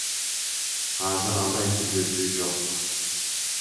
Азыр андай түзөтүү жок.